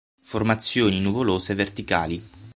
Formazioni nuvolose verticali.